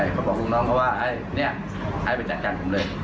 เขาบอกลูกน้องเขาว่าเนี่ยให้ไปจัดการผมเลย